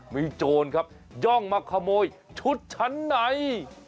มีโจรครับย่องมาขโมยชุดชั้นใน